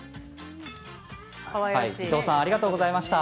伊藤さんありがとうございました。